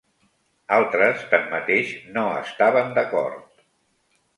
Altres, tanmateix, no estaven d'acord.